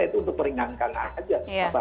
itu untuk meringankan saja